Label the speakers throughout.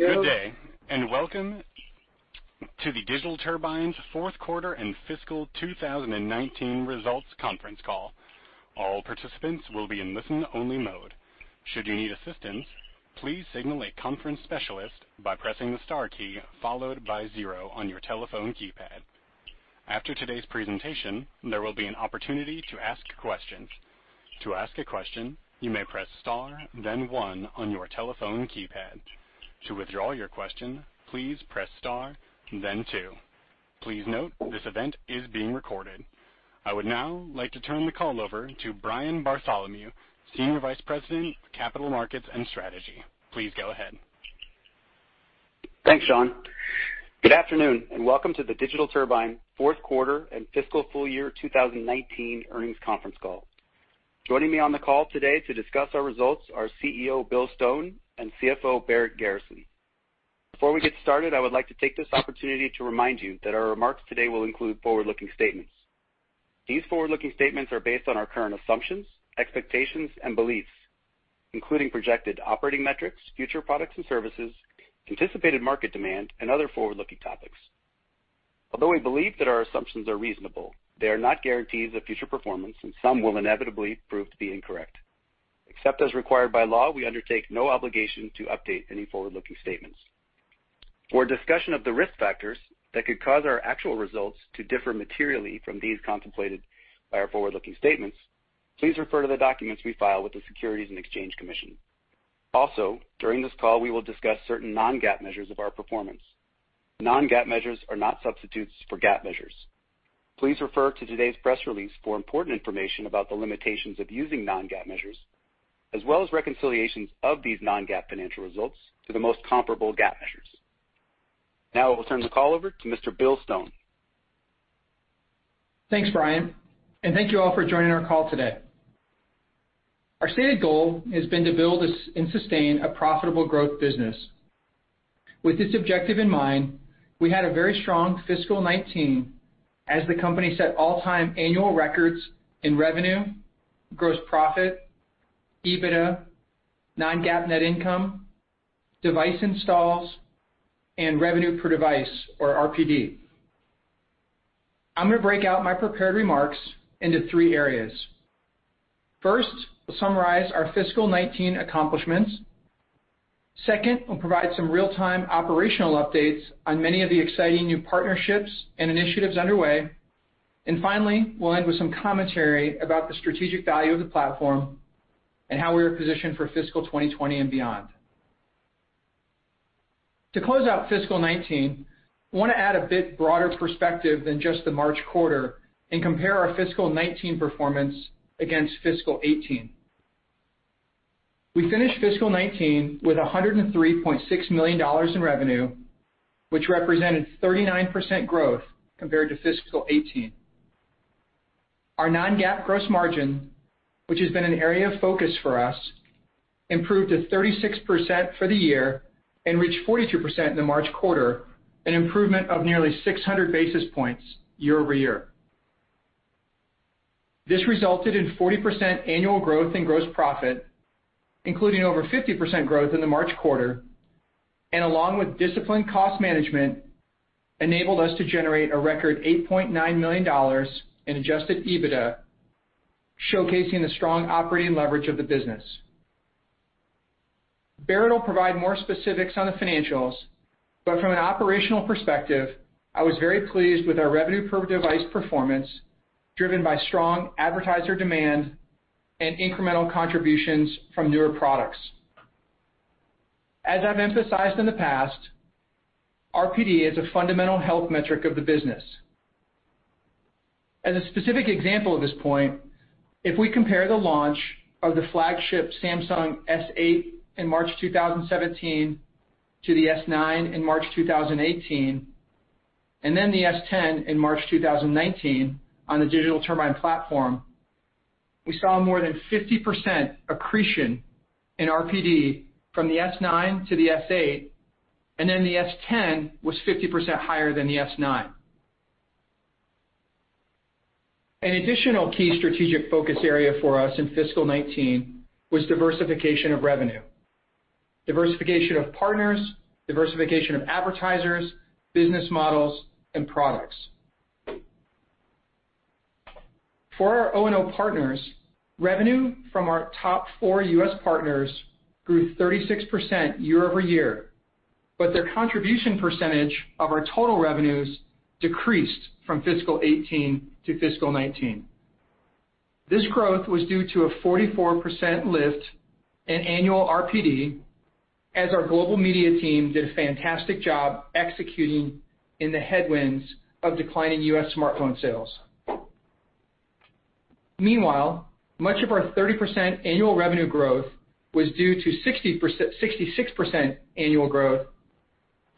Speaker 1: Good day, and welcome to the Digital Turbine's fourth quarter and fiscal 2019 results conference call. All participants will be in listen-only mode. Should you need assistance, please signal a conference specialist by pressing the star key followed by zero on your telephone keypad. After today's presentation, there will be an opportunity to ask questions. To ask a question, you may press star then one on your telephone keypad. To withdraw your question, please press star then two. Please note, this event is being recorded. I would now like to turn the call over to Brian Bartholomew, Senior Vice President of Capital Markets and Strategy. Please go ahead.
Speaker 2: Thanks, Sean. Good afternoon, and welcome to the Digital Turbine fourth quarter and fiscal full year 2019 earnings conference call. Joining me on the call today to discuss our results are CEO Bill Stone and CFO Barrett Garrison. Before we get started, I would like to take this opportunity to remind you that our remarks today will include forward-looking statements. These forward-looking statements are based on our current assumptions, expectations, and beliefs, including projected operating metrics, future products and services, anticipated market demand, and other forward-looking topics. Although we believe that our assumptions are reasonable, they are not guarantees of future performance, and some will inevitably prove to be incorrect. Except as required by law, we undertake no obligation to update any forward-looking statements. For a discussion of the risk factors that could cause our actual results to differ materially from these contemplated by our forward-looking statements, please refer to the documents we file with the Securities and Exchange Commission. Also, during this call, we will discuss certain non-GAAP measures of our performance. Non-GAAP measures are not substitutes for GAAP measures. Please refer to today's press release for important information about the limitations of using non-GAAP measures, as well as reconciliations of these non-GAAP financial results to the most comparable GAAP measures. Now I will turn the call over to Mr. Bill Stone.
Speaker 3: Thanks, Brian, and thank you all for joining our call today. Our stated goal has been to build and sustain a profitable growth business. With this objective in mind, we had a very strong fiscal 2019 as the company set all-time annual records in revenue, gross profit, EBITDA, non-GAAP net income, device installs, and revenue per device, or RPD. I'm going to break out my prepared remarks into three areas. First, we'll summarize our fiscal 2019 accomplishments. Second, we'll provide some real-time operational updates on many of the exciting new partnerships and initiatives underway. Finally, we'll end with some commentary about the strategic value of the platform and how we are positioned for fiscal 2020 and beyond. To close out fiscal 2019, I want to add a bit broader perspective than just the March quarter and compare our fiscal 2019 performance against fiscal 2018. We finished fiscal 2019 with $103.6 million in revenue, which represented 39% growth compared to fiscal 2018. Our non-GAAP gross margin, which has been an area of focus for us, improved to 36% for the year and reached 42% in the March quarter, an improvement of nearly 600 basis points year-over-year. This resulted in 40% annual growth in gross profit, including over 50% growth in the March quarter, and along with disciplined cost management, enabled us to generate a record $8.9 million in adjusted EBITDA, showcasing the strong operating leverage of the business. Barrett will provide more specifics on the financials, but from an operational perspective, I was very pleased with our revenue per device performance, driven by strong advertiser demand and incremental contributions from newer products. As I've emphasized in the past, RPD is a fundamental health metric of the business. As a specific example of this point, if we compare the launch of the flagship Samsung S8 in March 2017 to the S9 in March 2018, and then the S10 in March 2019 on the Digital Turbine platform, we saw more than 50% accretion in RPD from the S9 to the S8, and then the S10 was 50% higher than the S9. An additional key strategic focus area for us in fiscal 2019 was diversification of revenue. Diversification of partners, diversification of advertisers, business models, and products. For our O&O partners, revenue from our top four U.S. partners grew 36% year-over-year, but their contribution percentage of our total revenues decreased from fiscal 2018 to fiscal 2019. This growth was due to a 44% lift in annual RPD as our global media team did a fantastic job executing in the headwinds of declining U.S. smartphone sales. Meanwhile, much of our 30% annual revenue growth was due to 66% annual growth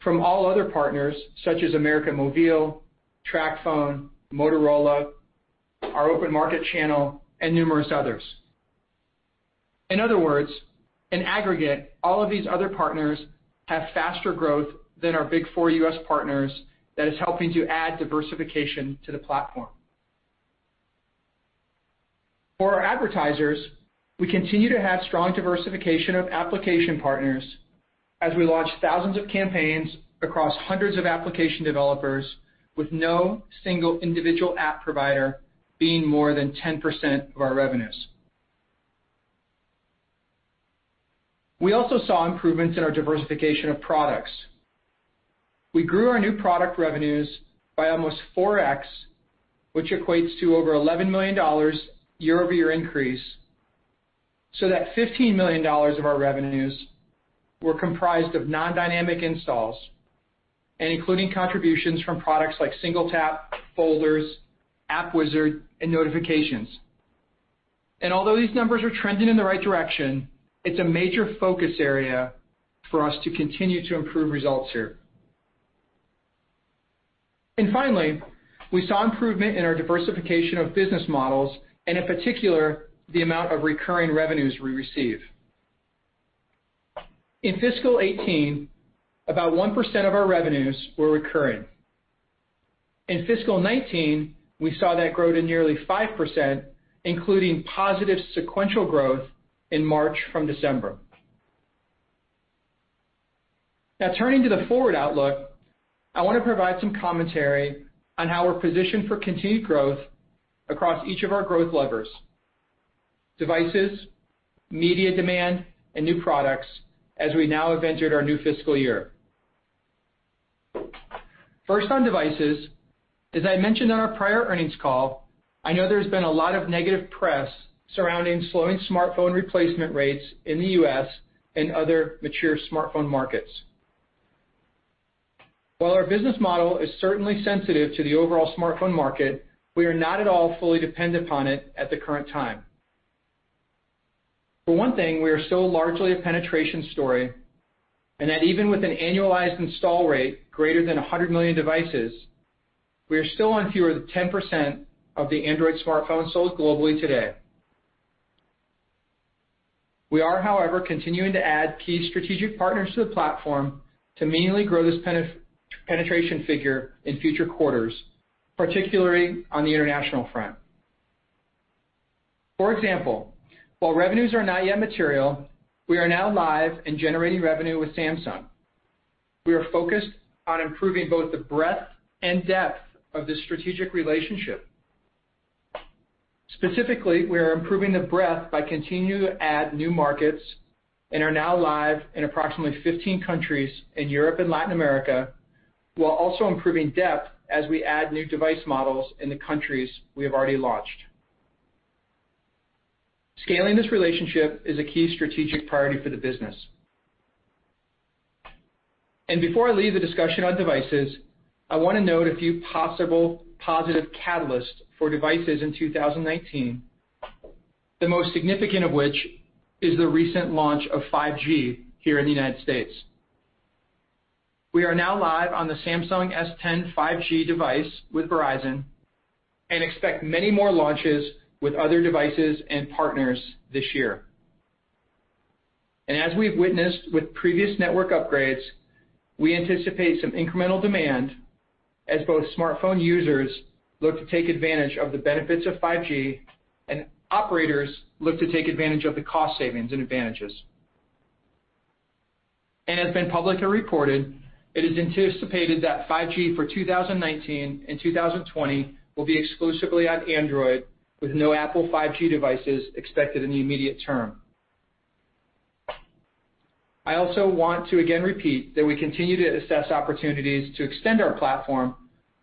Speaker 3: from all other partners such as América Móvil, TracFone, Motorola, our open market channel, and numerous others. In other words, in aggregate, all of these other partners have faster growth than our big four U.S. partners that is helping to add diversification to the platform. For our advertisers, we continue to have strong diversification of application partners as we launch thousands of campaigns across hundreds of application developers, with no single individual app provider being more than 10% of our revenues. We also saw improvements in our diversification of products. We grew our new product revenues by almost 4x, which equates to over $11 million year-over-year increase, so that $15 million of our revenues were comprised of non-Dynamic Installs and including contributions from products like SingleTap, Folders, App Wizard, and Notifications. Although these numbers are trending in the right direction, it's a major focus area for us to continue to improve results here. Finally, we saw improvement in our diversification of business models, and in particular, the amount of recurring revenues we receive. In fiscal 2018, about 1% of our revenues were recurring. In fiscal 2019, we saw that grow to nearly 5%, including positive sequential growth in March from December. Turning to the forward outlook, I want to provide some commentary on how we're positioned for continued growth across each of our growth levers: devices, media demand, and new products, as we now have entered our new fiscal year. First on devices, as I mentioned on our prior earnings call, I know there's been a lot of negative press surrounding slowing smartphone replacement rates in the U.S. and other mature smartphone markets. While our business model is certainly sensitive to the overall smartphone market, we are not at all fully dependent upon it at the current time. For one thing, we are still largely a penetration story, and that even with an annualized install rate greater than 100 million devices, we are still on fewer than 10% of the Android smartphones sold globally today. We are, however, continuing to add key strategic partners to the platform to meaningfully grow this penetration figure in future quarters, particularly on the international front. For example, while revenues are not yet material, we are now live and generating revenue with Samsung. We are focused on improving both the breadth and depth of this strategic relationship. Specifically, we are improving the breadth by continuing to add new markets and are now live in approximately 15 countries in Europe and Latin America, while also improving depth as we add new device models in the countries we have already launched. Scaling this relationship is a key strategic priority for the business. Before I leave the discussion on devices, I want to note a few possible positive catalysts for devices in 2019. The most significant of which is the recent launch of 5G here in the United States We are now live on the Samsung S10 5G device with Verizon and expect many more launches with other devices and partners this year. As we've witnessed with previous network upgrades, we anticipate some incremental demand as both smartphone users look to take advantage of the benefits of 5G and operators look to take advantage of the cost savings and advantages. It's been publicly reported, it is anticipated that 5G for 2019 and 2020 will be exclusively on Android with no Apple 5G devices expected in the immediate term. I also want to again repeat that we continue to assess opportunities to extend our platform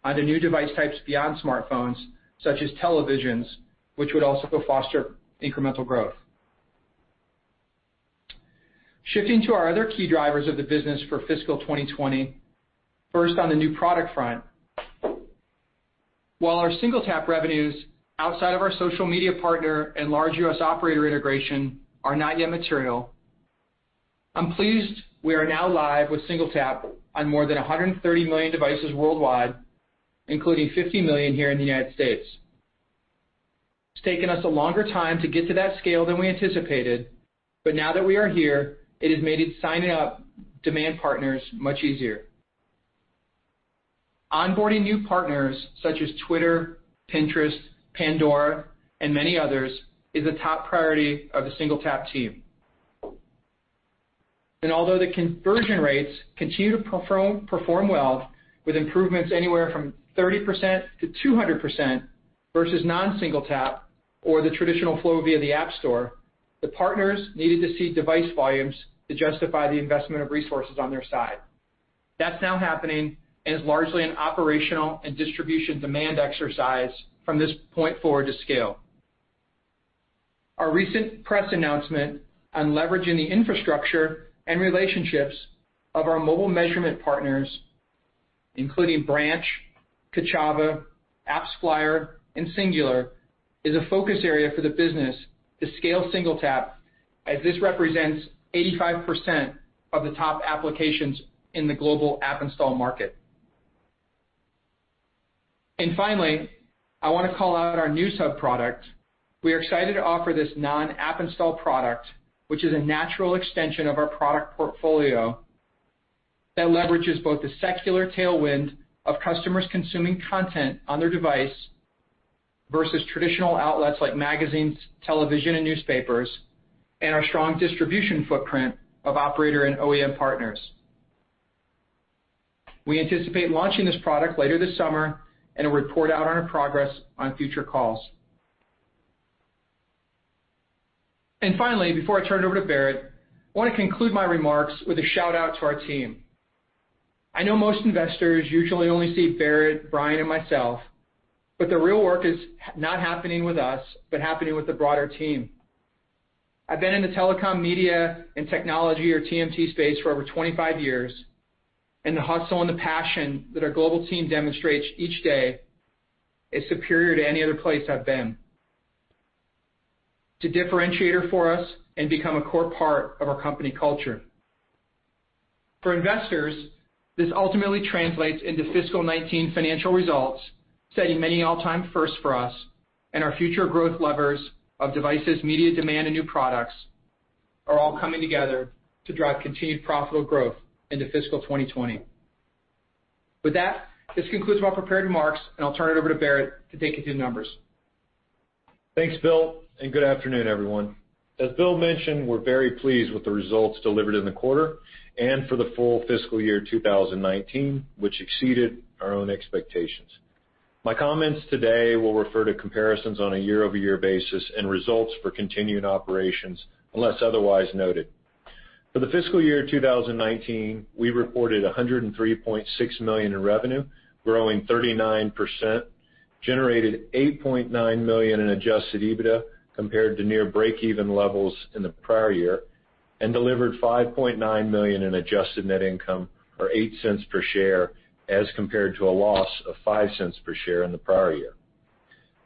Speaker 3: onto new device types beyond smartphones, such as televisions, which would also foster incremental growth. Shifting to our other key drivers of the business for fiscal 2020, first on the new product front. While our SingleTap revenues outside of our social media partner and large U.S. operator integration are not yet material, I'm pleased we are now live with SingleTap on more than 130 million devices worldwide, including 50 million here in the U.S. It's taken us a longer time to get to that scale than we anticipated, but now that we are here, it has made signing up demand partners much easier. Onboarding new partners such as Twitter, Pinterest, Pandora, and many others is a top priority of the SingleTap team. Although the conversion rates continue to perform well with improvements anywhere from 30% to 200% versus non-SingleTap or the traditional flow via the App Store, the partners needed to see device volumes to justify the investment of resources on their side. That's now happening and is largely an operational and distribution demand exercise from this point forward to scale. Our recent press announcement on leveraging the infrastructure and relationships of our mobile measurement partners, including Branch, Kochava, AppsFlyer, and Singular, is a focus area for the business to scale SingleTap as this represents 85% of the top applications in the global app install market. Finally, I want to call out our new sub-product. We are excited to offer this non-app install product, which is a natural extension of our product portfolio, that leverages both the secular tailwind of customers consuming content on their device versus traditional outlets like magazines, television, and newspapers, and our strong distribution footprint of operator and OEM partners. We anticipate launching this product later this summer and will report out on our progress on future calls. Finally, before I turn it over to Barrett, I want to conclude my remarks with a shout-out to our team. I know most investors usually only see Barrett, Brian, and myself, but the real work is not happening with us, but happening with the broader team. I've been in the telecom, media, and technology or TMT space for over 25 years. The hustle and the passion that our global team demonstrates each day is superior to any other place I've been. It's a differentiator for us and become a core part of our company culture. For investors, this ultimately translates into fiscal 2019 financial results, setting many all-time firsts for us and our future growth levers of devices, media demand, and new products are all coming together to drive continued profitable growth into fiscal 2020. With that, this concludes my prepared remarks, and I'll turn it over to Barrett to take you through the numbers.
Speaker 4: Thanks, Bill, and good afternoon, everyone. As Bill mentioned, we're very pleased with the results delivered in the quarter and for the full fiscal year 2019, which exceeded our own expectations. My comments today will refer to comparisons on a year-over-year basis and results for continuing operations unless otherwise noted. For the fiscal year 2019, we reported $103.6 million in revenue, growing 39%, generated $8.9 million in adjusted EBITDA compared to near breakeven levels in the prior year, and delivered $5.9 million in adjusted net income or $0.08 per share as compared to a loss of $0.05 per share in the prior year.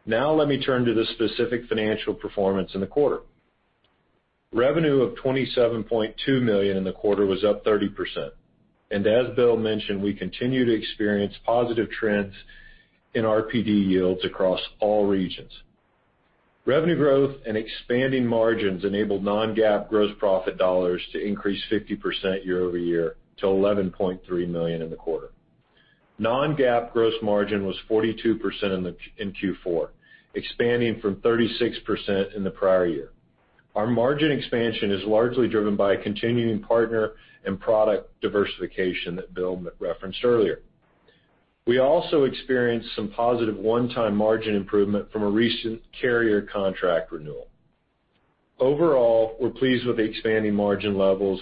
Speaker 4: Now let me turn to the specific financial performance in the quarter. Revenue of $27.2 million in the quarter was up 30%. As Bill mentioned, we continue to experience positive trends in RPD yields across all regions. Revenue growth and expanding margins enabled non-GAAP gross profit dollars to increase 50% year-over-year to $11.3 million in the quarter. Non-GAAP gross margin was 42% in Q4, expanding from 36% in the prior year. Our margin expansion is largely driven by continuing partner and product diversification that Bill referenced earlier. We also experienced some positive one-time margin improvement from a recent carrier contract renewal. Overall, we're pleased with the expanding margin levels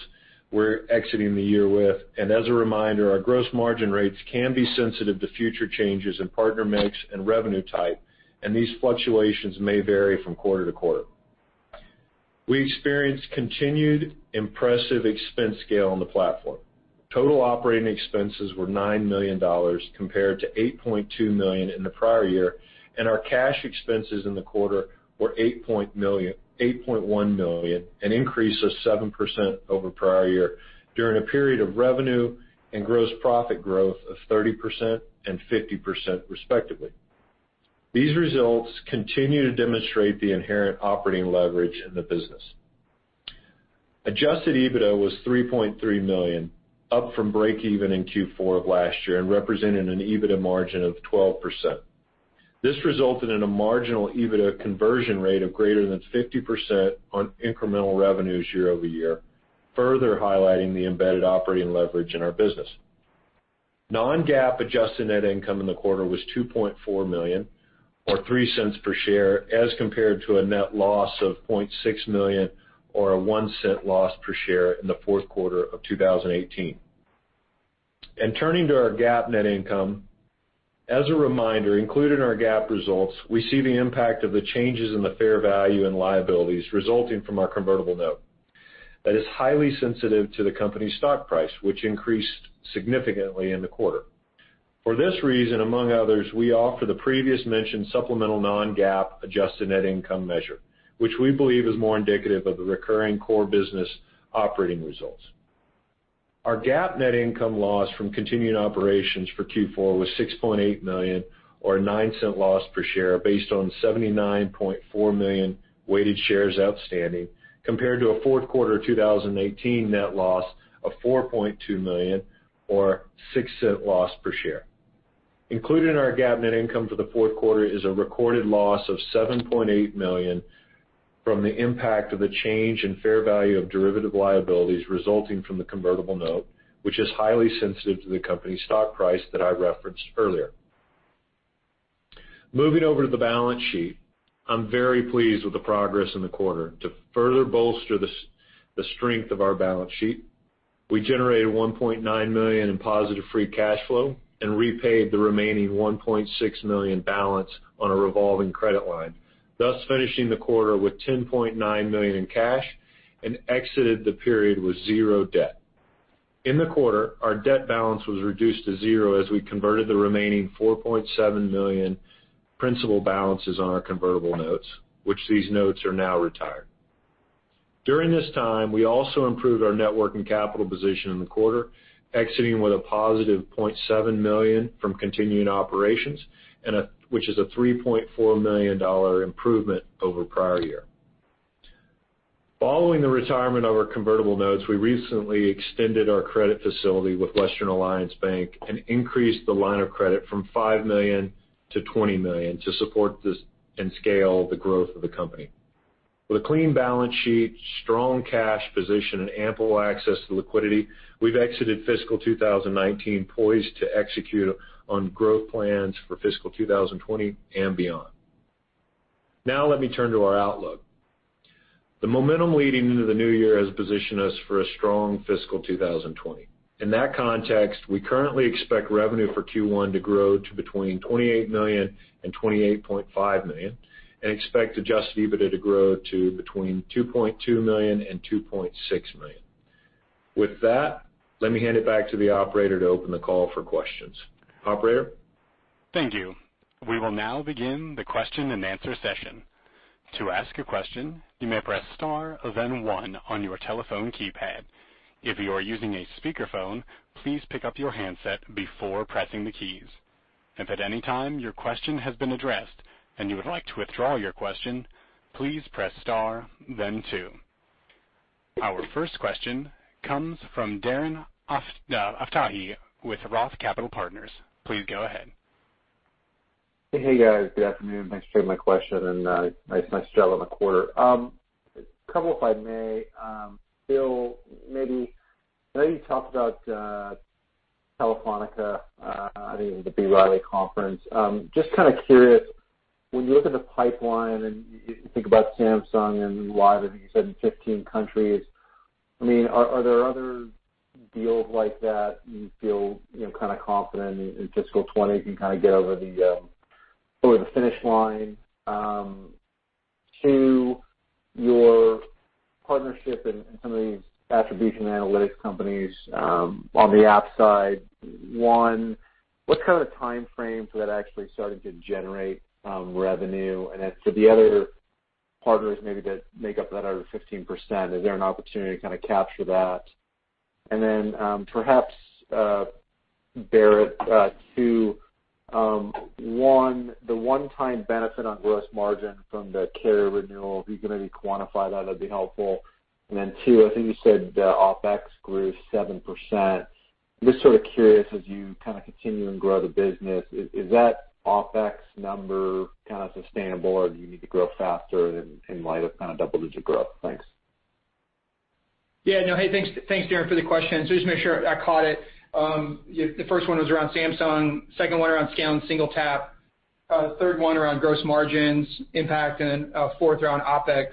Speaker 4: we're exiting the year with. As a reminder, our gross margin rates can be sensitive to future changes in partner mix and revenue type, and these fluctuations may vary from quarter to quarter. We experienced continued impressive expense scale on the platform. Total operating expenses were $9 million compared to $8.2 million in the prior year. Our cash expenses in the quarter were $8.1 million, an increase of 7% over prior year during a period of revenue and gross profit growth of 30% and 50%, respectively. These results continue to demonstrate the inherent operating leverage in the business. Adjusted EBITDA was $3.3 million, up from breakeven in Q4 of last year and representing an EBITDA margin of 12%. This resulted in a marginal EBITDA conversion rate of greater than 50% on incremental revenues year-over-year, further highlighting the embedded operating leverage in our business. Non-GAAP adjusted net income in the quarter was $2.4 million or $0.03 per share as compared to a net loss of $0.6 million or a $0.01 loss per share in the fourth quarter of 2018. Turning to our GAAP net income. As a reminder, included in our GAAP results, we see the impact of the changes in the fair value and liabilities resulting from our convertible note. That is highly sensitive to the company's stock price, which increased significantly in the quarter. For this reason, among others, we offer the previously mentioned supplemental non-GAAP adjusted net income measure, which we believe is more indicative of the recurring core business operating results. Our GAAP net income loss from continuing operations for Q4 was $6.8 million or a $0.09 loss per share based on 79.4 million weighted shares outstanding compared to a fourth quarter 2018 net loss of $4.2 million or a $0.06 loss per share. Included in our GAAP net income for the fourth quarter is a recorded loss of $7.8 million from the impact of the change in fair value of derivative liabilities resulting from the convertible note, which is highly sensitive to the company's stock price that I referenced earlier. Moving over to the balance sheet. I am very pleased with the progress in the quarter. To further bolster the strength of our balance sheet, we generated $1.9 million in positive free cash flow and repaid the remaining $1.6 million balance on a revolving credit line, thus finishing the quarter with $10.9 million in cash and exited the period with zero debt. In the quarter, our debt balance was reduced to zero as we converted the remaining $4.7 million principal balances on our convertible notes, which these notes are now retired. During this time, we also improved our net working capital position in the quarter, exiting with a positive $0.7 million from continuing operations, which is a $3.4 million improvement over prior year. Following the retirement of our convertible notes, we recently extended our credit facility with Western Alliance Bank and increased the line of credit from $5 million to $20 million to support this and scale the growth of the company. With a clean balance sheet, strong cash position, and ample access to liquidity, we've exited fiscal 2019 poised to execute on growth plans for fiscal 2020 and beyond. Let me turn to our outlook. The momentum leading into the new year has positioned us for a strong fiscal 2020. In that context, we currently expect revenue for Q1 to grow to between $28 million and $28.5 million, and expect adjusted EBITDA to grow to between $2.2 million and $2.6 million. With that, let me hand it back to the operator to open the call for questions. Operator?
Speaker 1: Thank you. We will now begin the question and answer session. To ask a question, you may press star then one on your telephone keypad. If you are using a speakerphone, please pick up your handset before pressing the keys. If at any time your question has been addressed and you would like to withdraw your question, please press star then two. Our first question comes from Darren Aftahi with Roth Capital Partners. Please go ahead.
Speaker 5: Hey, guys. Good afternoon. Thanks for taking my question, and nice job on the quarter. A couple, if I may. Bill, maybe you talked about Telefónica at the B. Riley conference. Just kind of curious, when you look at the pipeline and you think about Samsung and live, I think you said in 15 countries, are there other deals like that you feel confident in fiscal 2020 you can get over the finish line? Two, your partnership and some of these attribution analytics companies on the app side. One, what kind of timeframe for that actually starting to generate revenue? For the other partners, maybe that make up that other 15%, is there an opportunity to capture that? Perhaps, Barrett, two, one, the one-time benefit on gross margin from the carrier renewal, if you can maybe quantify that'd be helpful. Two, I think you said the OpEx grew 7%. I'm just sort of curious, as you continue and grow the business, is that OpEx number sustainable or do you need to grow faster in light of double-digit growth? Thanks.
Speaker 3: Yeah. No. Hey, thanks, Darren, for the question. Just make sure I caught it. The first one was around Samsung, second one around scale and SingleTap, third one around gross margins impact, and fourth around OpEx.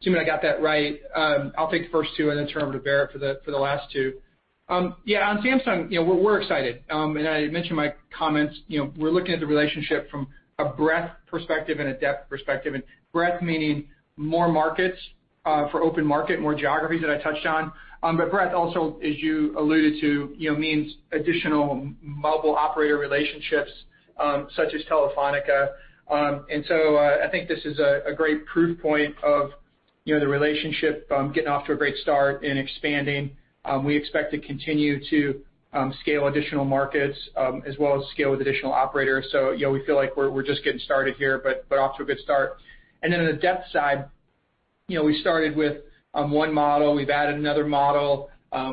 Speaker 3: Assuming I got that right, I'll take the first two and then turn it to Barrett for the last two. Yeah. On Samsung, we're excited. I mentioned my comments, we're looking at the relationship from a breadth perspective and a depth perspective. Breadth meaning more markets, for open market, more geographies that I touched on. But breadth also, as you alluded to, means additional mobile operator relationships, such as Telefónica. I think this is a great proof point of the relationship getting off to a great start and expanding. We expect to continue to scale additional markets, as well as scale with additional operators. We feel like we're just getting started here, but off to a good start. Then on the depth side, we started with one model. We've added another model.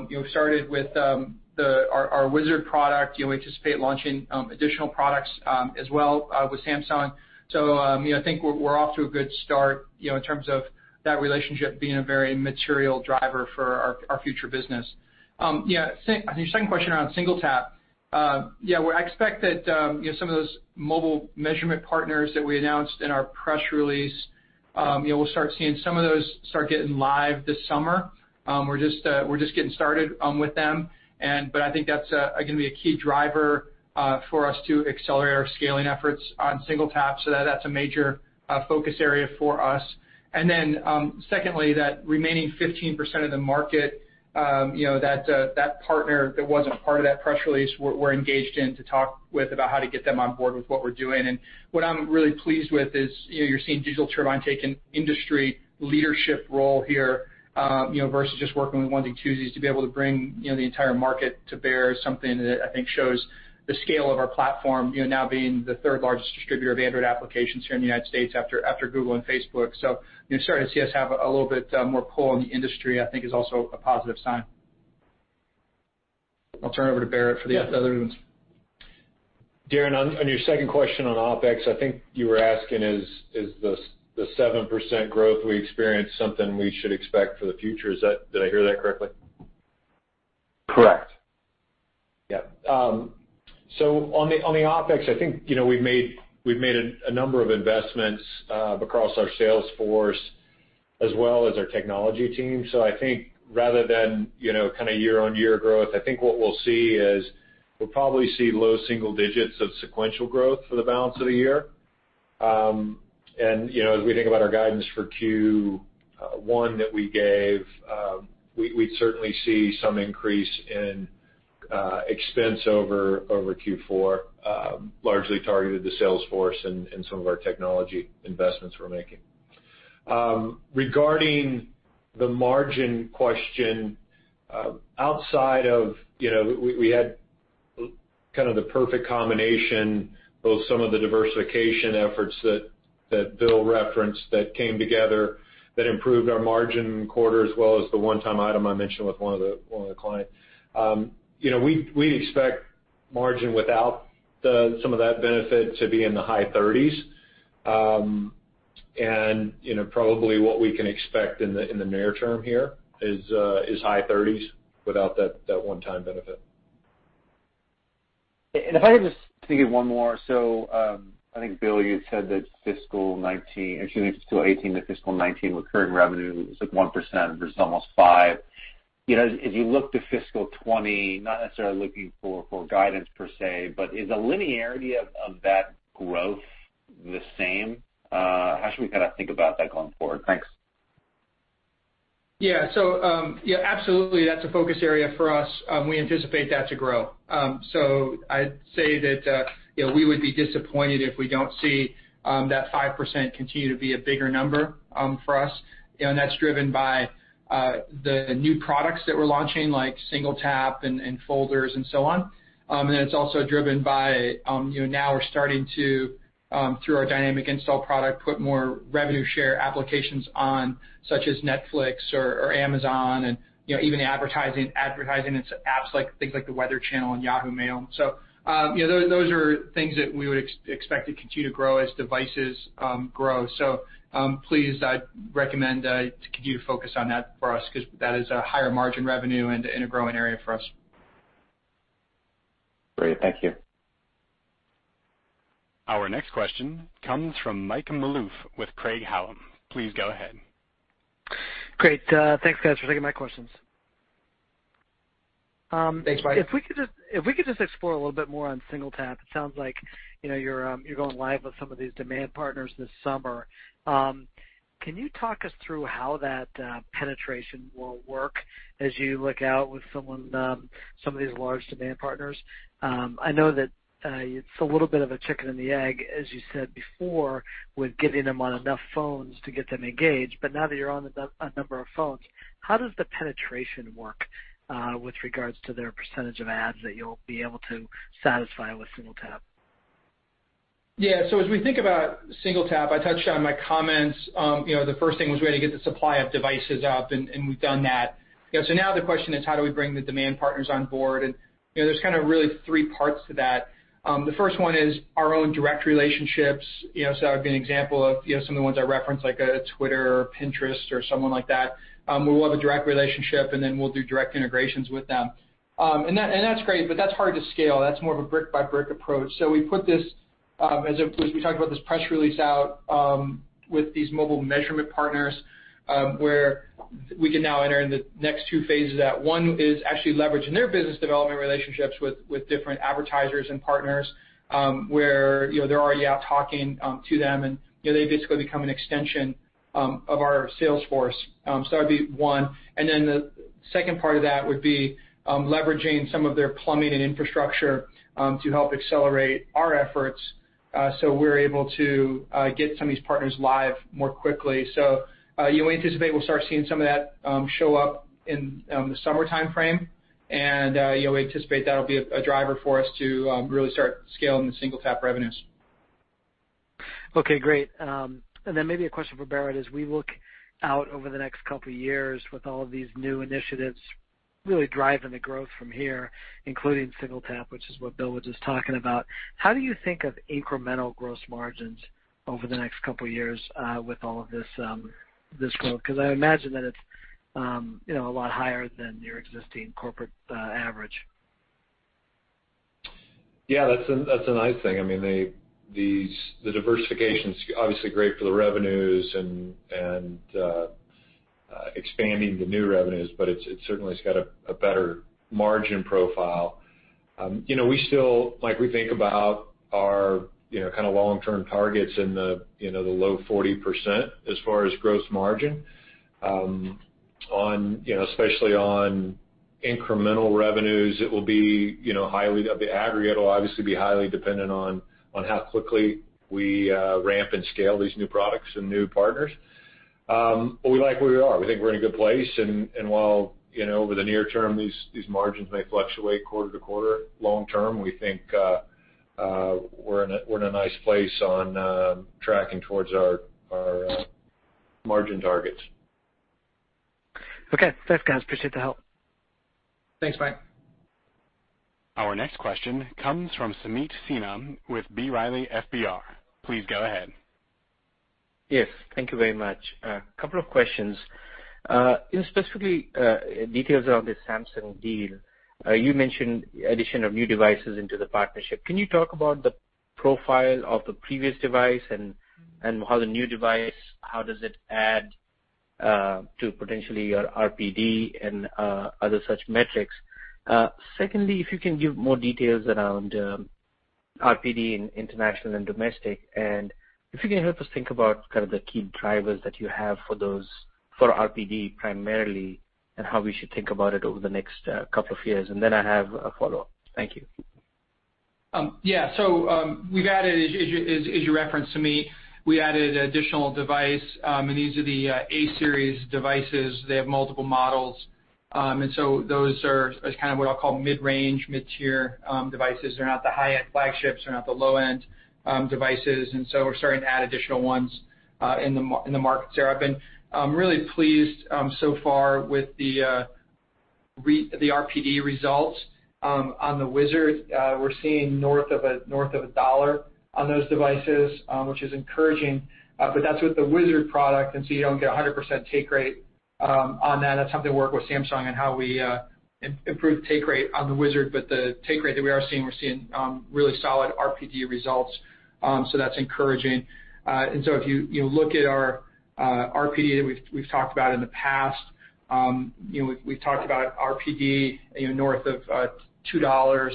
Speaker 3: We started with our Wizard product. We anticipate launching additional products as well with Samsung. I think we're off to a good start in terms of that relationship being a very material driver for our future business. On your second question around SingleTap, I expect that some of those mobile measurement partners that we announced in our press release, we'll start seeing some of those start getting live this summer. We're just getting started with them. I think that's going to be a key driver for us to accelerate our scaling efforts on SingleTap. That's a major focus area for us. Then, secondly, that remaining 15% of the market, that partner that wasn't part of that press release, we're engaged in to talk with about how to get them on board with what we're doing. What I'm really pleased with is you're seeing Digital Turbine take an industry leadership role here, versus just working with one or two, is to be able to bring the entire market to bear is something that I think shows the scale of our platform, now being the third largest distributor of Android applications here in the U.S. after Google and Facebook. You're starting to see us have a little bit more pull in the industry, I think is also a positive sign. I'll turn it over to Barrett for the other ones.
Speaker 4: Darren, on your second question on OpEx, I think you were asking is the 7% growth we experienced something we should expect for the future. Did I hear that correctly?
Speaker 5: Correct.
Speaker 4: On the OpEx, I think we've made a number of investments across our sales force as well as our technology team. I think rather than year-on-year growth, I think what we'll see is we'll probably see low single-digits of sequential growth for the balance of the year. As we think about our guidance for Q1 that we gave, we'd certainly see some increase in expense over Q4, largely targeted to sales force and some of our technology investments we're making. Regarding the margin question, outside of, we had kind of the perfect combination, both some of the diversification efforts that Bill referenced that came together that improved our margin quarter as well as the one-time item I mentioned with one of the clients. We expect margin without some of that benefit to be in the high 30s. Probably what we can expect in the near term here is high 30s without that one-time benefit.
Speaker 5: If I could just take it one more. I think, Bill, you had said that fiscal 2018 to fiscal 2019 recurring revenue was, like 1% versus almost 5%. As you look to fiscal 2020, not necessarily looking for guidance per se, but is the linearity of that growth the same? How should we think about that going forward? Thanks.
Speaker 3: Absolutely, that's a focus area for us. We anticipate that to grow. I'd say that we would be disappointed if we don't see that 5% continue to be a bigger number for us. That's driven by the new products that we're launching, like SingleTap and Folders and so on. Then it's also driven by, now we're starting to, through our Dynamic Installs product, put more revenue share applications on, such as Netflix or Amazon and even advertising into apps like The Weather Channel and Yahoo Mail. Those are things that we would expect to continue to grow as devices grow. Please, I'd recommend to continue to focus on that for us, because that is a higher margin revenue and a growing area for us.
Speaker 5: Great. Thank you.
Speaker 1: Our next question comes from Mike Malouf with Craig-Hallum. Please go ahead.
Speaker 6: Great. Thanks, guys, for taking my questions.
Speaker 3: Thanks, Mike.
Speaker 6: If we could just explore a little bit more on SingleTap. It sounds like you're going live with some of these demand partners this summer. Can you talk us through how that penetration will work as you look out with some of these large demand partners? I know that it's a little bit of a chicken and the egg, as you said before, with getting them on enough phones to get them engaged, but now that you're on a number of phones, how does the penetration work with regards to their percent of ads that you'll be able to satisfy with SingleTap?
Speaker 3: Yeah. As we think about SingleTap, I touched on my comments. The first thing was we had to get the supply of devices up, and we've done that. Now the question is, how do we bring the demand partners on board? There's really three parts to that. The first one is our own direct relationships. That would be an example of some of the ones I referenced, like a Twitter or Pinterest or someone like that. We'll have a direct relationship, and then we'll do direct integrations with them. That's great, but that's hard to scale. That's more of a brick-by-brick approach. We put this, as it includes, we talked about this press release out with these mobile measurement partners, where we can now enter in the next two phases of that. One is actually leveraging their business development relationships with different advertisers and partners, where they're already out talking to them, and they basically become an extension of our sales force. That'd be one. Then the second part of that would be leveraging some of their plumbing and infrastructure to help accelerate our efforts so we're able to get some of these partners live more quickly. We anticipate we'll start seeing some of that show up in the summer timeframe. We anticipate that'll be a driver for us to really start scaling the SingleTap revenues.
Speaker 6: Okay, great. Then maybe a question for Barrett as we look out over the next couple of years with all of these new initiatives really driving the growth from here, including SingleTap, which is what Bill was just talking about. How do you think of incremental gross margins over the next couple of years with all of this growth? Because I imagine that it's a lot higher than your existing corporate average.
Speaker 4: Yeah, that's a nice thing. The diversification's obviously great for the revenues and expanding the new revenues, but it certainly has got a better margin profile. We still think about our long-term targets in the low 40% as far as gross margin. Especially on incremental revenues, the aggregate will obviously be highly dependent on how quickly we ramp and scale these new products and new partners. We like where we are. We think we're in a good place, and while over the near term, these margins may fluctuate quarter to quarter, long term, we think we're in a nice place on tracking towards our margin targets.
Speaker 6: Okay. Thanks, guys. Appreciate the help.
Speaker 3: Thanks, Mike.
Speaker 1: Our next question comes from Sameet Sinha with B. Riley FBR. Please go ahead.
Speaker 7: Yes. Thank you very much. A couple of questions. Specifically, details around the Samsung deal. You mentioned addition of new devices into the partnership. Can you talk about the profile of the previous device and how the new device, how does it add to potentially your RPD and other such metrics? Secondly, if you can give more details around RPD in international and domestic, if you can help us think about kind of the key drivers that you have for those, for RPD primarily, and how we should think about it over the next couple of years. I have a follow-up. Thank you.
Speaker 3: Yeah. We've added, as you referenced to me, we added additional device, these are the Galaxy A-series devices. They have multiple models. Those are what I'll call mid-range, mid-tier devices. They're not the high-end flagships. They're not the low-end devices. We're starting to add additional ones in the market there. I've been really pleased so far with the RPD results on the Wizard. We're seeing north of $1 on those devices, which is encouraging. That's with the Wizard product, you don't get 100% take rate on that. That's something to work with Samsung on how we improve take rate on the Wizard. The take rate that we are seeing, we're seeing really solid RPD results. That's encouraging. If you look at our RPD that we've talked about in the past, we've talked about RPD north of $2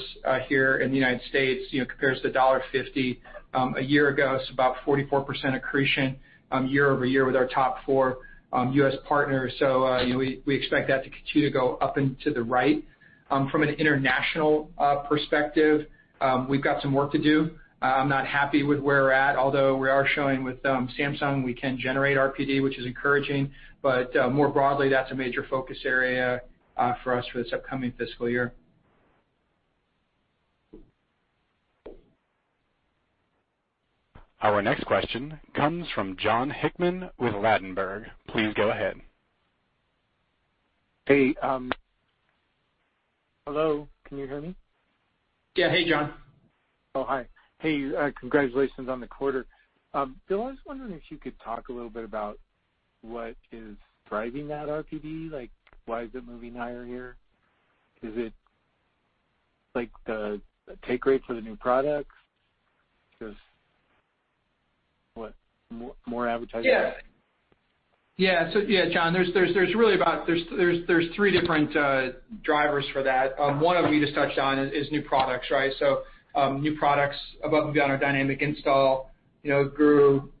Speaker 3: here in the United States. Compares to $1.50 a year ago. About 44% accretion year-over-year with our top four U.S. partners. We expect that to continue to go up and to the right. From an international perspective, we've got some work to do. I'm not happy with where we're at, although we are showing with Samsung, we can generate RPD, which is encouraging. More broadly, that's a major focus area for us for this upcoming fiscal year.
Speaker 1: Our next question comes from Jon Hickman with Ladenburg. Please go ahead.
Speaker 8: Hey. Hello, can you hear me?
Speaker 3: Yeah. Hey, Jon.
Speaker 8: Oh, hi. Hey, congratulations on the quarter. Bill, I was wondering if you could talk a little bit about what is driving that RPD. Why is it moving higher here? Is it the take rate for the new products? More advertisers?
Speaker 3: Yeah. Jon, there's three different drivers for that. One of them you just touched on, is new products. New products above and beyond our Dynamic Installs, grew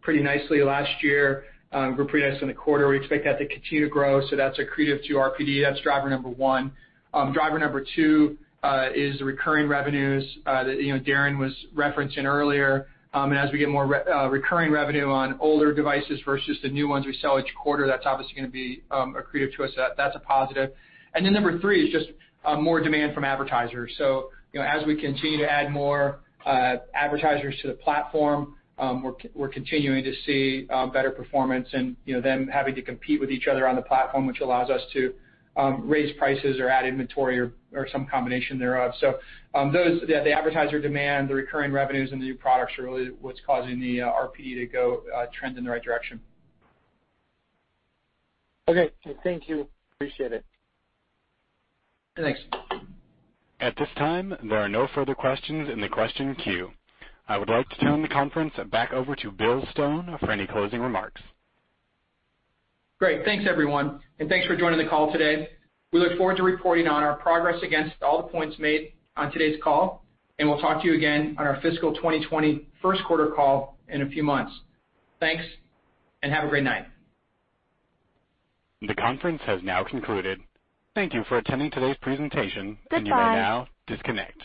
Speaker 3: pretty nicely last year, grew pretty nicely in the quarter. We expect that to continue to grow, so that's accretive to RPD. That's driver number one. Driver number two is the recurring revenues that Darren was referencing earlier. As we get more recurring revenue on older devices versus the new ones we sell each quarter, that's obviously going to be accretive to us. That's a positive. Then number 3 is just more demand from advertisers. As we continue to add more advertisers to the platform, we're continuing to see better performance and them having to compete with each other on the platform, which allows us to raise prices or add inventory or some combination thereof. Those, the advertiser demand, the recurring revenues, and the new products are really what's causing the RPD to go trend in the right direction.
Speaker 8: Okay. Thank you. Appreciate it.
Speaker 3: Thanks.
Speaker 1: At this time, there are no further questions in the question queue. I would like to turn the conference back over to Bill Stone for any closing remarks.
Speaker 3: Great. Thanks, everyone, and thanks for joining the call today. We look forward to reporting on our progress against all the points made on today's call, and we'll talk to you again on our fiscal 2020 first quarter call in a few months. Thanks, and have a great night.
Speaker 1: The conference has now concluded. Thank you for attending today's presentation. Goodbye. You may now disconnect.